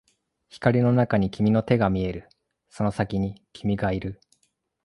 光の中に君の手が見える、その先に君がいる